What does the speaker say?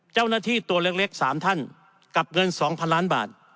เจ้าหน้าที่ตัวเล็ก๓ท่านกับเงิน๒๐๐ล้านบาท